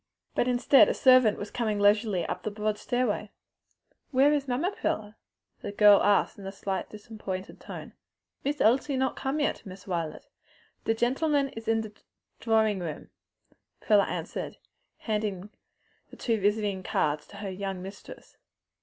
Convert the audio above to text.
But instead a servant was coming leisurely up the broad stairway. "Where is mamma, Prilla?" the young girl asked in a slightly disappointed tone. "Miss Elsie not come yet, Miss Wilet. De gentlemen is in de drawin' room," Prilla answered, handing two visiting cards to her young mistress.